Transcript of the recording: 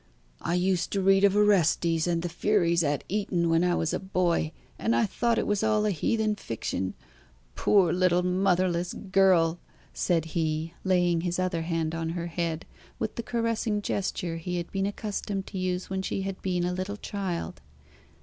"I used to read of Orestes and the Furies at Eton when I was a boy, and I thought it was all a heathen fiction. Poor little motherless girl!" said he, laying his other hand on her head, with the caressing gesture he had been accustomed to use when she had been a little child.